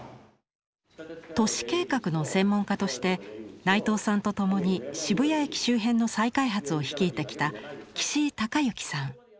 都市計画の専門家として内藤さんと共に渋谷駅周辺の再開発を率いてきた岸井隆幸さん。